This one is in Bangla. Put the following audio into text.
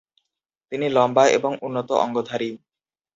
তিনি লম্বা এবং উন্নত অঙ্গধারী।